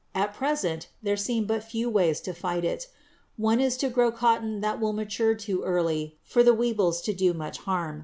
At present there seem but few ways to fight it. One is to grow cotton that will mature too early for the weevils to do it much harm.